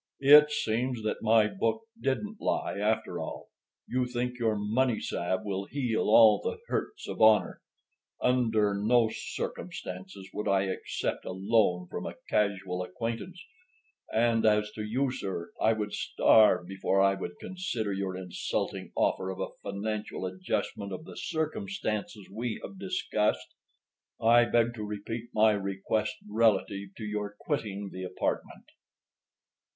"It seems that my book didn't lie, after all. You think your money salve will heal all the hurts of honor. Under no circumstances would I accept a loan from a casual acquaintance; and as to you, sir, I would starve before I would consider your insulting offer of a financial adjustment of the circumstances we have discussed. I beg to repeat my request relative to your quitting the apartment."